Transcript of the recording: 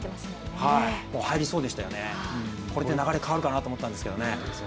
入りそうでしたよね、これで流れ変わるかなと思ったんですけどね。